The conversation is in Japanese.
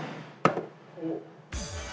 おっ。